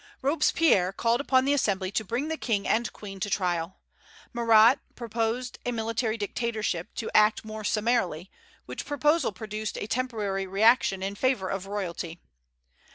Robespierre called upon the Assembly to bring the King and Queen to trial. Marat proposed a military dictatorship, to act more summarily, which proposal produced a temporary reaction in favor of royalty.